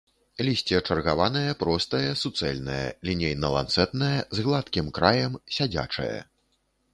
Лісце чаргаванае, простае, суцэльнае, лінейна-ланцэтнае, з гладкім краем, сядзячае.